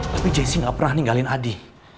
tapi jaycee gak pernah ninggalin adi